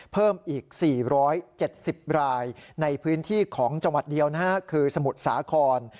เพิ่มอีก๔๗๐รายในพื้นที่ของจังหวัดเดียวนะฮะคือสมุทรสาคร